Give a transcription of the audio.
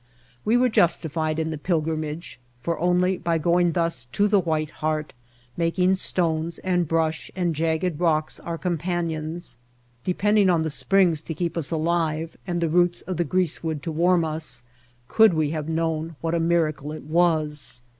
We were justified in the pilgrimage, for only by going thus to the White Heart, making stones and brush and jagged rocks our companions, de pending on the springs to keep us alive and the roots of the greasewood to warm us, could we have known what a miracle it was.